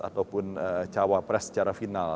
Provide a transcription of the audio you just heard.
ataupun cawapres secara final